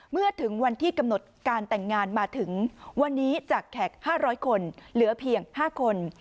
เมื่อถึงวันที่กำหนดการแต่งงานมาถึงวันนี้จากแขก๕๐๐คนเหลือเพียง๕คน